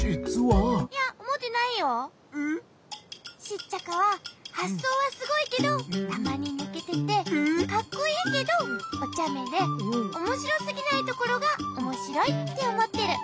シッチャカははっそうはすごいけどたまにぬけててかっこいいけどおちゃめでおもしろすぎないところがおもしろいっておもってる。